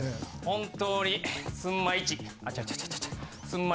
本当にすんま